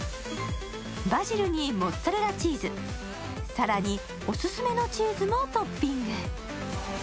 バジルにモッツァレラチーズ、更にオススメのチーズもトッピング。